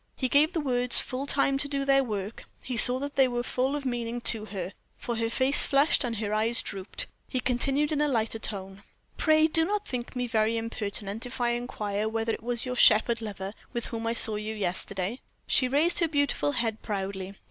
He gave the words full time to do their work; he saw that they were full of meaning to her, for her face flushed, and her eyes drooped. He continued in a lighter tone: "Pray do not think me very impertinent if I inquire whether that was your shepherd lover with whom I saw you yesterday?" She raised her beautiful head proudly.